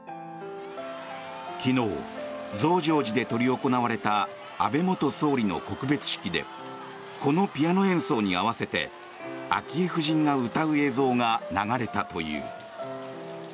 昨日、増上寺で執り行われた安倍元総理の告別式でこのピアノ演奏に合わせて昭恵夫人が歌う映像が流れたという。